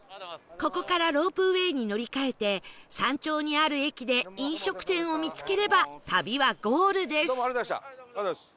ここからロープウェイに乗り換えて山頂にある駅で飲食店を見つければ旅はゴールです